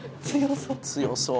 強そう。